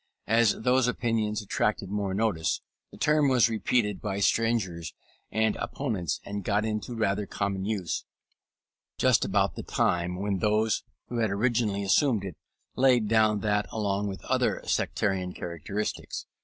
As those opinions attracted more notice, the term was repeated by strangers and opponents, and got into rather common use just about the time when those who had originally assumed it, laid down that along with other sectarian characteristics.